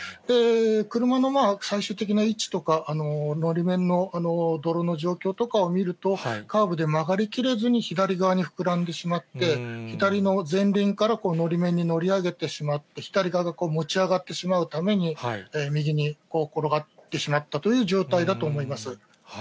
車の最終的な位置とかのり面の泥の状況とかを見ると、カーブで曲がり切れずに左側に膨らんでしまって、左の前輪からのり面に乗り上げてしまって、左側が持ち上がってしまうために、右に転がってしまったという状態だと思います。